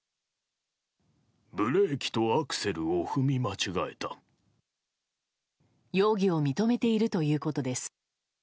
ブレーキとアクセルを踏み間容疑を認めているということです。